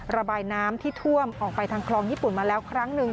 ระบายน้ำที่ท่วมออกไปทางคลองญี่ปุ่นมาแล้วครั้งหนึ่ง